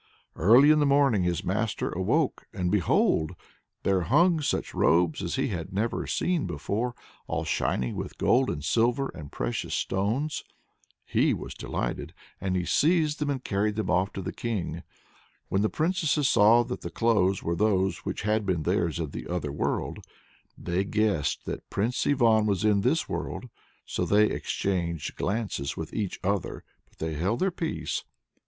Early in the morning his master awoke, and behold! there hung such robes as he had never seen before, all shining with gold and silver and precious stones. He was delighted, and he seized them and carried them off to the King. When the princesses saw that the clothes were those which had been theirs in the other world, they guessed that Prince Ivan was in this world, so they exchanged glances with each other, but they held their peace.